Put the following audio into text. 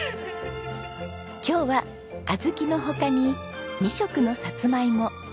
今日は小豆の他に２色のサツマイモ